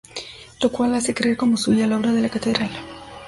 Lo cual hace creer como suya la obra de la catedral.